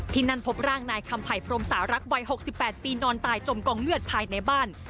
ที่นั่นพบร่างนายคำไผ่พรมสาวรักวัย๖๘ปีนอนตายจมกองเลือดภายในบ้าน